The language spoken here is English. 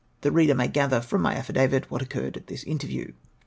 The reader may gather from my affidavit what occurred at this interview.